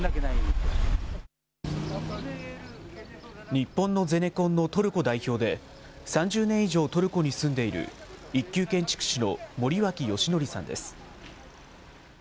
日本のゼネコンのトルコ代表で、３０年以上トルコに住んでいる一級建築士の森脇義則さんです。